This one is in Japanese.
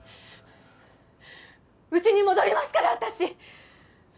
うちに戻りますから私。